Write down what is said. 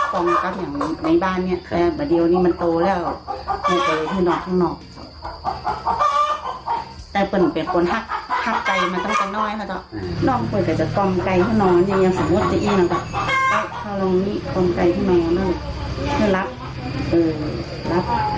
ก่อนเนี้ยเธอก๋อลองนี้ก่อมไก่ที่น้องด้วยนะเธอรับเอ่อรับ